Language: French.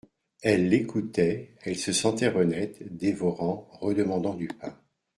Elle l'écoutait, elle se sentait renaître, dévorant, redemandant du pain.